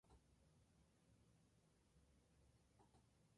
Se encuentra en Mongolia y Corea.